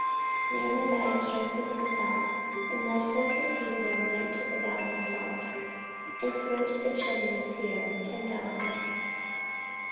14:025:011 And Amaziah strengthened himself, and led forth his people, and went to the valley of salt, and smote of the children of Seir ten thousand.